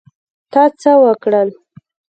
تا څه وکړل؟